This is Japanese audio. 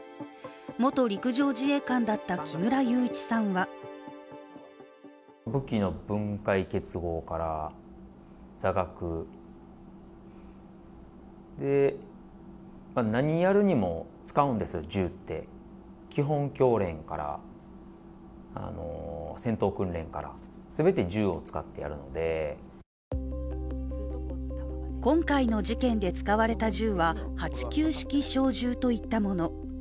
元陸上自衛官だった木村裕一さんは今回の事件で使われた銃は８９式小銃といったもの。